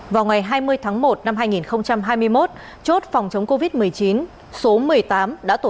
vào ngày hai mươi tháng một năm hai nghìn hai mươi một chốt phòng chống covid một mươi chín số một mươi tám đã tổ